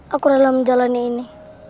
aku rela menjalani ini